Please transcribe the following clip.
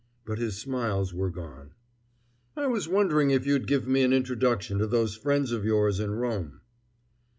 But his smiles were gone. "I was wondering if you'd give me an introduction to those friends of yours in Rome!"